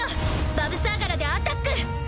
バヴサーガラでアタック！